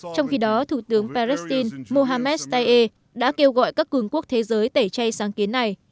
trong khi đó thủ tướng palestine mohammed sae đã kêu gọi các cường quốc thế giới tẩy chay sáng kiến này